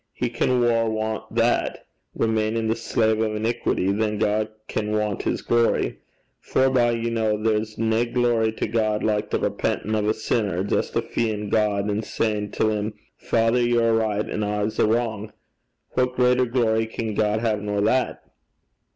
He can waur want that, remainin' the slave o' iniquity, than God can want his glory. Forby, ye ken there's nae glory to God like the repentin' o' a sinner, justifeein' God, an' sayin' till him "Father, ye're a' richt, an' I'm a' wrang." What greater glory can God hae nor that?'